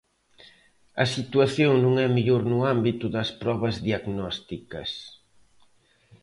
A situación non é mellor no ámbito das probas diagnósticas.